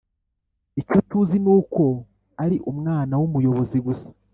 icyo tuzi ni uko ari umwana w'umuyobozi gusa